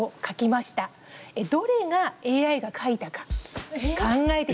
どれがＡＩが書いたか考えてください。